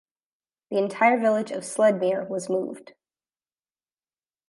The entire village of Sledmere was moved.